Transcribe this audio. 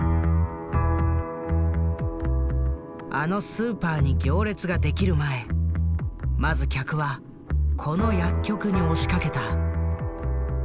あのスーパーに行列が出来る前まず客はこの薬局に押しかけた。